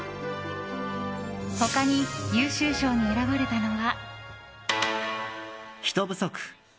他に優秀賞に選ばれたのは。